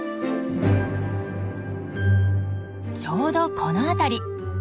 ちょうどこの辺り。